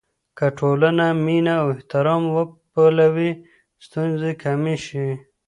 که ټولنه مینه او احترام وپلوي، ستونزې کمې شي.